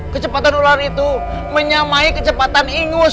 kecepatan ular itu menyamai kecepatan ingus